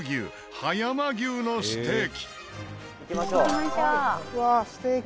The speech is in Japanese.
「“葉山牛ステーキ”」